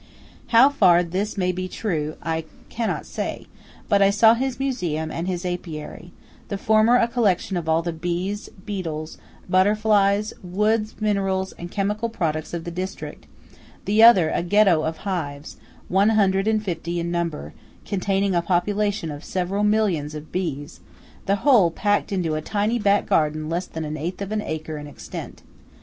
How far this may be true I cannot say; but I saw his museum and his apiary–the former a collection of all the bees, beetles, butterflies, woods, minerals, and chemical products of the district–the other a Ghetto of hives, one hundred and fifty in number, containing a population of several millions of bees, the whole packed into a tiny back garden less than an eighth of an acre in extent.